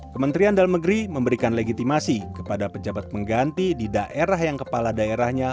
kementerian dalam negeri memberikan legitimasi kepada pejabat pengganti di daerah yang kepala daerahnya